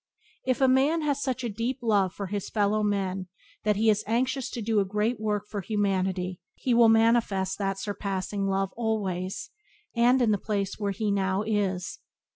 If a man has such deep love for his fellow men that he is anxious to do a great work for humanity he will manifest that surpassing love always and in the place where he now is.